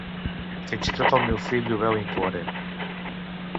Fins i tot el meu fill ho veu incoherent